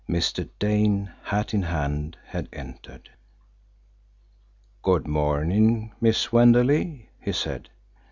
Mr. Dane, hat in hand, had entered. "Good morning, Miss Wenderley!" he said.